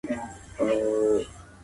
تل د حق خبره کوئ.